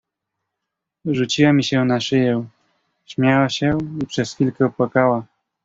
"Rzuciła mi się na szyję, śmiała się i przez chwilkę płakała."